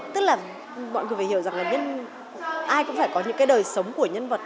tức là mọi người phải hiểu rằng là ai cũng phải có những cái đời sống của nhân vật